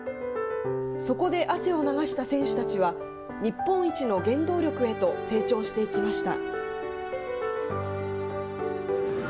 そこで汗を流した選手たちは日本一の原動力へと成長していきました。